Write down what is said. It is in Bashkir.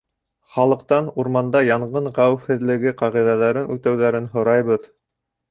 Халыҡтан урманда янғын хәүефһеҙлеге ҡағиҙәләрен үтәүҙәрен һорайбыҙ.